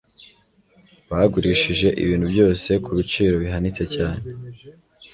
Bagurishije ibintu byose kubiciro bihanitse cyane.